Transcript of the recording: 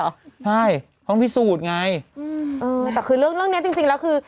ใช่ต้องพิสูจน์ไงเออแต่คือเรื่องนี้จริงแล้วคือ